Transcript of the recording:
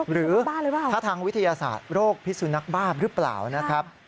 หรือถ้าทางวิทยาศาสตร์โรคพิสุนักบ้าหรือเปล่านะครับ